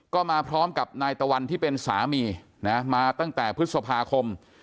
ก็มาพร้อมกับนายตะวันที่เป็นสามีนะมาตั้งแต่พฤษภาคม